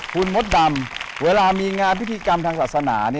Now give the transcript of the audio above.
คุณมดดำเวลามีงานพิธีกรรมทางศาสนา